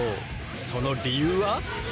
その理由は？